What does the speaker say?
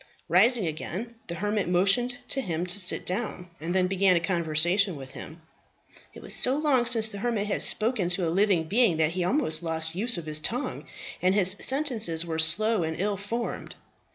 Rising again, the hermit motioned to him to sit down, and then began a conversation with him. It was so long since the hermit had spoken to any living being, that he had almost lost the use of his tongue, and his sentences were slow and ill formed.